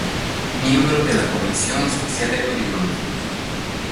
Miembro de la Comisión Especial de Turismo.